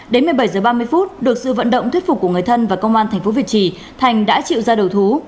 đến một mươi bảy h ba mươi được sự vận động thuyết phục của người thân và công an tp việt trì thành đã chịu ra đầu thú